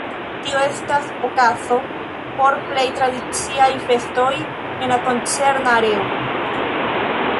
Tio estas okazo por plej tradiciaj festoj en la koncerna areo.